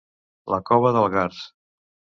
La cova d'Algars.